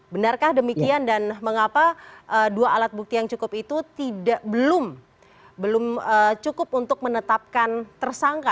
benarkah demikian dan mengapa dua alat bukti yang cukup itu belum cukup untuk menetapkan tersangka